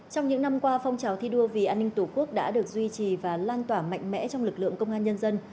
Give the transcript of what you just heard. trong những năm qua phong trào thi đua vì an ninh tổ quốc đã được duy trì và lan tỏa mạnh mẽ trong lực lượng công an nhân dân